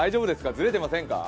ズレてませんか？